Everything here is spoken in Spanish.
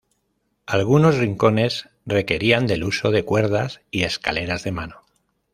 Algunos rincones requerían del uso de cuerdas y escaleras de mano.